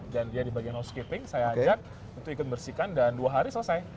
dia di bagian housekeeping saya ajak untuk ikut bersihkan dan dua hari selesai